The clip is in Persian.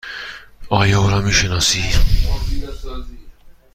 آیا او را می شناسی؟